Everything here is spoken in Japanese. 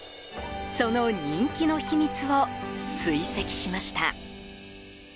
その人気の秘密を追跡しました。